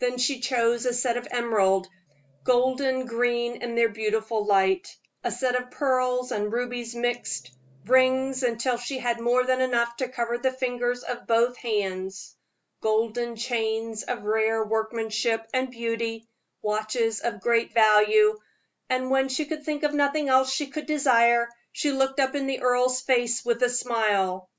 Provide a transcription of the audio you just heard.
Then she chose a set of emerald, golden green in their beautiful light; a set of pearls and rubies mixed; rings until she had more than enough to cover the fingers of both hands; golden chains of rare workmanship and beauty; watches of great value; and when she could think of nothing else she could desire, she looked up in the earl's face with a smile.